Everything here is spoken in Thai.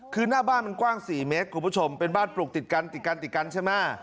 คือหน้าบ้านมันกว้าง๔เมกร์คุณผู้ชมเป็นบ้านปลูกติดกันใช่ไหม